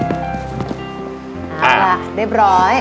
เอาล่ะเรียบร้อย